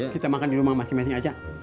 kita makan di rumah masing masing aja